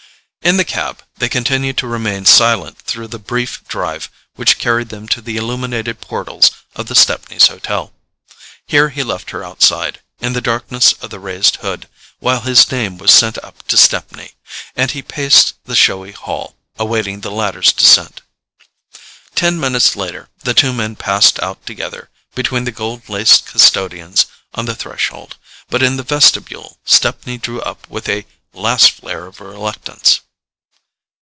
In the cab they continued to remain silent through the brief drive which carried them to the illuminated portals of the Stepneys' hotel. Here he left her outside, in the darkness of the raised hood, while his name was sent up to Stepney, and he paced the showy hall, awaiting the latter's descent. Ten minutes later the two men passed out together between the gold laced custodians of the threshold; but in the vestibule Stepney drew up with a last flare of reluctance.